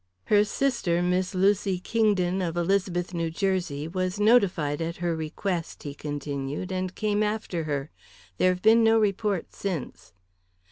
"Her sister, Miss Lucy Kingdon, of Elizabeth, New Jersey, was notified at her request," he continued, "and came after her. There have been no reports since."